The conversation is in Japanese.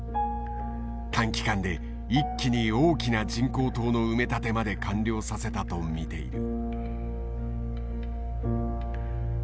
短期間で一気に大きな人工島の埋め立てまで完了させたと見ている。